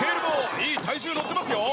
いい体重乗ってますよ。